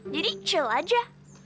jadi tenang aja